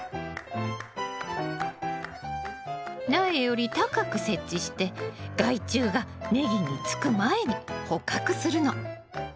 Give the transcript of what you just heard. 苗より高く設置して害虫がネギにつく前に捕獲するの！